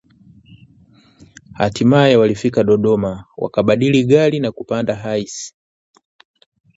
Hatimaye walifika Dodoma, wakabadili gari na kupanda Hiace